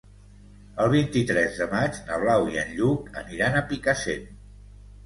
El vint-i-tres de maig na Blau i en Lluc aniran a Picassent.